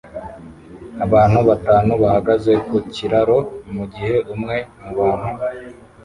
Abantu batanu bahagaze ku kiraro mugihe umwe mubantu